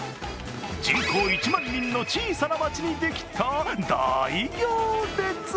人口１万人の小さな町にできた大行列。